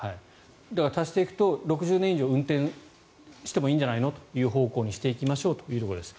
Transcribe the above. だから、足していくと６０年以上運転してもいいんじゃないのという方向にしていきましょうということです。